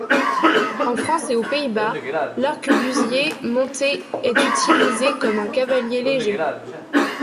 En France et aux Pays-Bas l’arquebusier monté est utilisé comme un cavalier léger.